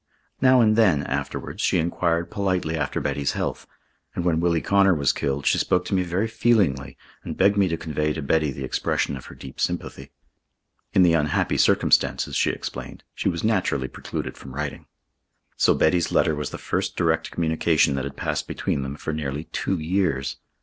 Now and then, afterwards, she enquired politely after Betty's health, and when Willie Connor was killed, she spoke to me very feelingly and begged me to convey to Betty the expression of her deep sympathy. In the unhappy circumstances, she explained, she was naturally precluded from writing. So Betty's letter was the first direct communication that had passed between them for nearly two years.